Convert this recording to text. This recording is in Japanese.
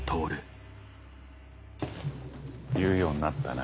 言うようになったな。